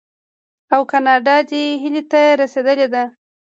او کاناډا دې هیلې ته رسیدلې ده.